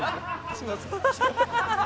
すみません。